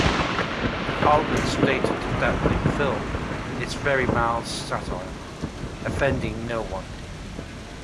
Altman stated that the film "is a very mild satire," offending no one.